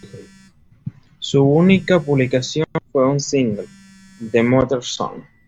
Su única publicación fue un single, "The Mother Song".